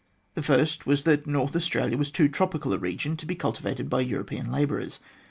The first was that North Australia was too tropical a region to be cultivated by European labourers.